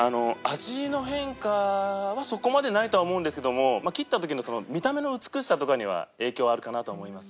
味の変化はそこまでないとは思うんですけど切った時の見た目の美しさとかには影響はあるかなと思います。